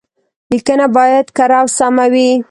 ليکنه بايد کره او سمه وي.